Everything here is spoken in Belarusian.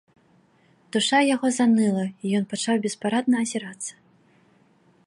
Душа яго заныла, і ён пачаў беспарадна азірацца.